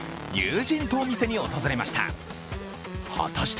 友人とお店に訪れました。